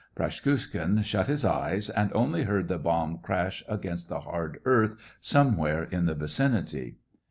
Praskukhin shut his eyes, and only heard the bomb crash against the hard earth somewhere in the vicinity.